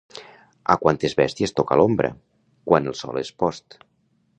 A quantes bèsties toca l'ombra, quan el sol és post!